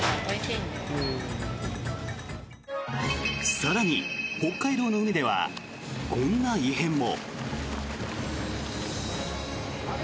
更に、北海道の海ではこんな異変も。